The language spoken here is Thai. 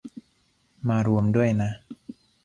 มารวมด้วยนะ